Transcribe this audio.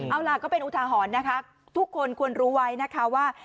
เอาล่ะก็เป็นอุทาหรณ์นะคะทุกคนควรรู้ไว้นะคะว่า